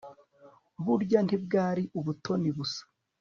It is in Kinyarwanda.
burya ntibwari ubutoni busa